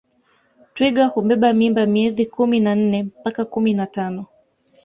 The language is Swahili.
Twiga hubeba mimba miezi kumi na nne mpaka kumi na tano